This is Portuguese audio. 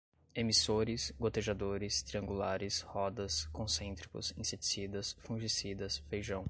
emissores, gotejadores, triangulares, rodas, concêntricos, inseticidas, fungicidas, feijão